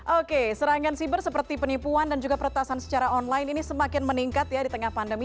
oke serangan siber seperti penipuan dan juga peretasan secara online ini semakin meningkat ya di tengah pandemi